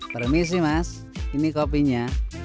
permisi mas ini kopinya